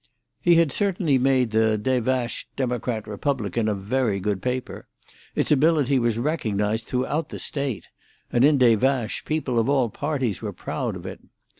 He had certainly made the Des Vaches Democrat Republican a very good paper; its ability was recognised throughout the State, and in Des Vaches people of all parties were proud of it.